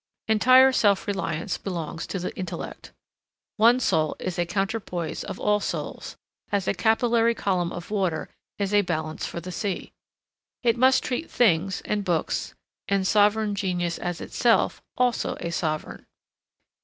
Entire self reliance belongs to the intellect. One soul is a counterpoise of all souls, as a capillary column of water is a balance for the sea. It must treat things and books and sovereign genius as itself also a sovereign.